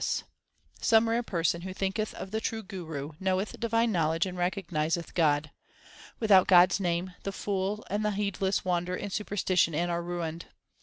HYMNS OF GURU NANAK 323 Some rare person who thinketh of the true Guru knoweth divine knowledge and recognizeth God. Without God s name the fools and the heedless wander in superstition and are ruined.